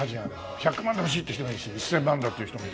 １００万で欲しいって人もいるし１０００万だって言う人もいるし。